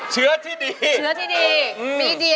เชื้อที่ดี